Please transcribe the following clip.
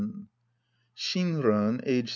Shinran, aged 6r.